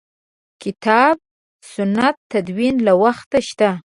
کتاب سنت تدوین له وخته شته.